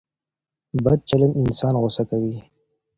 بد چلند انسان غوسه کوي.